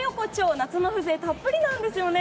夏の風情たっぷりなんですよね。